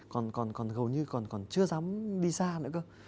còn gầu như còn chưa dám đi xa nữa cơ